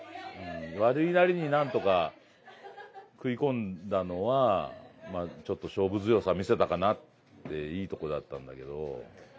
悪いなりに、なんとか食い込んだのはちょっと勝負強さを見せたかなっていいところだったんだけど。